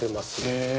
へえ。